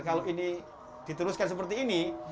kalau ini diteruskan seperti ini